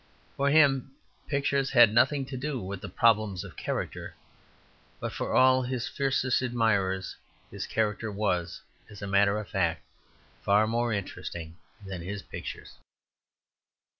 For him pictures had nothing to do with the problems of character; but for all his fiercest admirers his character was, as a matter of fact far more interesting than his pictures.